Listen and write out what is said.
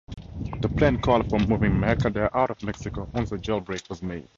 The plan called for moving Mercader out of Mexico once the jailbreak was made.